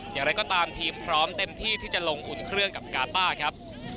อย่างไรก็ตามทีมพร้อมเต็มที่ที่จะลงอุ่นเครื่องกับกาต้าครับ